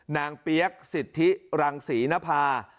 เปี๊ยกสิทธิรังศรีนภา